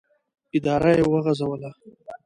اداره یې وغځوله.